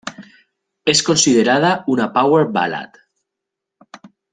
Es considerada una power ballad.